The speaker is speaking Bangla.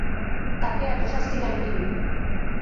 তাকে এত শাস্তি কেন দিবি?